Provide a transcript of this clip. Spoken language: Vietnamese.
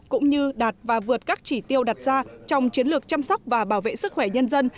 cũng như đạt và vượt các chỉ tiêu đặt ra trong chiến lược chăm sóc và bảo vệ sức khỏe nhân dân